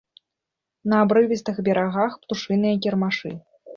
На абрывістых берагах птушыныя кірмашы.